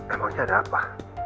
emangnya ada apa